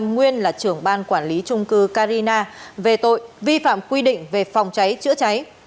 nguyên là trưởng ban quản lý trung cư carina về tội vi phạm quy định về phòng cháy chữa cháy